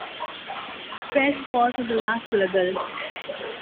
Stress falls on the last syllable.